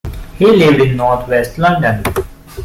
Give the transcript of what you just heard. He lived in northwest London.